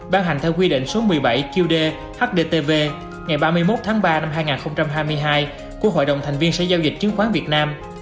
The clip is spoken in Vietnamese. ban hành theo quy định số một mươi bảy qd hdtv ngày ba mươi một tháng ba năm hai nghìn hai mươi hai của hội đồng thành viên sở giao dịch chứng khoán việt nam